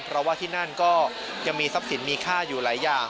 เพราะว่าที่นั่นก็ยังมีทรัพย์สินมีค่าอยู่หลายอย่าง